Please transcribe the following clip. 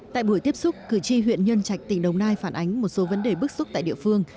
tại buổi tiếp xúc cử tri huyện nhân trạch tỉnh đồng nai phản ánh một số vấn đề bức xúc tại địa phương